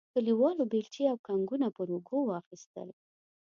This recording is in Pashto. کلیوالو بیلچې او کنګونه پر اوږو واخیستل.